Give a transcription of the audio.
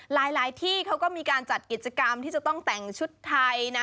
หลายที่เขาก็มีการจัดกิจกรรมที่จะต้องแต่งชุดไทยนะ